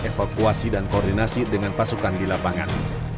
evakuasi dan koordinasi dengan pasukan di lapangan